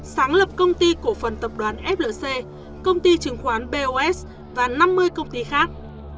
sáng lập công ty cổ phần tập đoàn flc công ty chứng khoán bos và năm mươi công ty khác